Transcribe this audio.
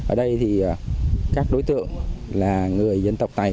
ở đây thì các đối tượng là người dân tộc tài